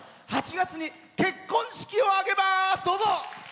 ８月に結婚式を挙げます。